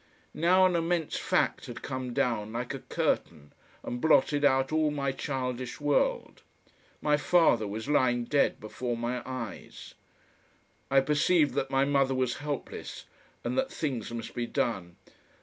Now an immense fact had come down like a curtain and blotted out all my childish world. My father was lying dead before my eyes.... I perceived that my mother was helpless and that things must be done.